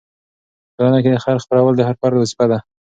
په ټولنه کې د خیر خپرول د هر فرد وظیفه ده.